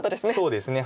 そうですね。